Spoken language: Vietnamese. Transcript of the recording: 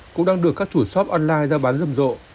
cũng đang được các chủ shop online ra bán rầm rộ